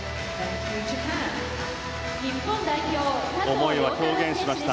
思いは表現しました。